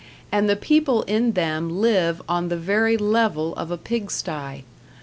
And the people in them live on the very level of a pig sty.